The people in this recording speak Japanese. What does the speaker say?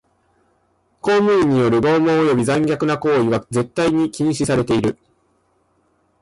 公務員による拷問および残虐な行為は絶対に禁止される。